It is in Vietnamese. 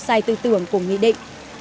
sai tư tưởng của nghị định